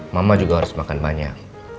mama juga harus makan banyak